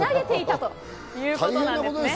ということなんです。